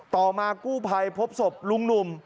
ต่อมากู้ภัยพบศพลุงหนุ่ม